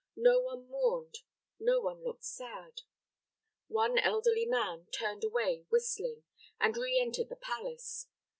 No one mourned, no one looked sad. One elderly man turned away whistling, and re entered the palace.